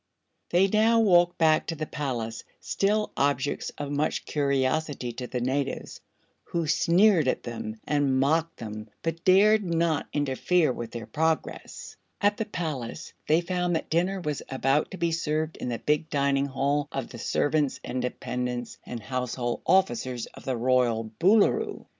They now walked back to the palace, still objects of much curiosity to the natives, who sneered at them and mocked them but dared not interfere with their progress. At the palace they found that dinner was about to be served in the big dining hall of the servants and dependents and household officers of the royal Boolooroo.